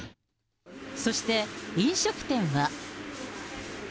そして、飲食店は。